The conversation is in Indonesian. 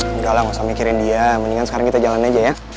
udahlah nggak usah mikirin dia mendingan sekarang kita jalan aja ya